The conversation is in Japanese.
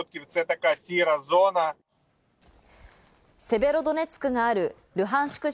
セベロドネツクがあるルハンシク